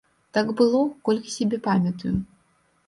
Так было, колькі сябе памятаю.